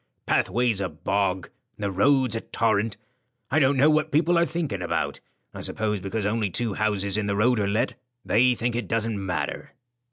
Pathway's a bog, and the road's a torrent. I don't know what people are thinking about. I suppose because only two houses in the road are let, they think it doesn't matter."